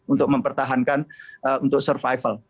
untuk mempertahankan untuk survival